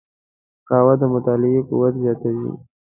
قهوه د مطالعې قوت زیاتوي